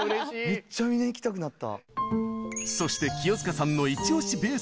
めっちゃ観に行きたくなった。